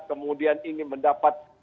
kemudian ingin mendapatkan kekuasaan